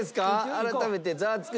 改めてザワつく！